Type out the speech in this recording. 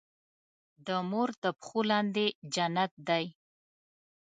د مور د پښو لاندې جنت دی.